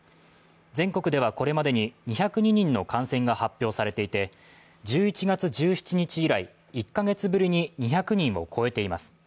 全国ではこれまでに２０２人の感染が発表されていて１１月１７日以来、１カ月ぶりに２００人を超えています。